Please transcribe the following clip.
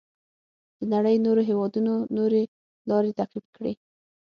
د نړۍ نورو هېوادونو نورې لارې تعقیب کړې.